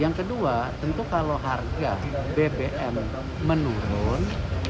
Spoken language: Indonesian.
yang kedua tentu kalau harga bbm menurun